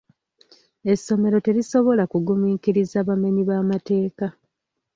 Essomero terisobola kugumiikiriza bamenyi b'amateeka.